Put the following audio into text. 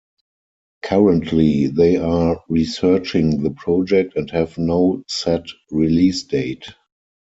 Currently they are researching the project and have no set release date.